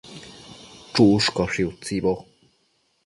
Chushcaushi utsibo